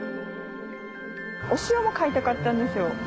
お塩も買いたかったんですよ。